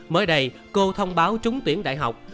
mới đây cô thông báo trúng tuyển đại học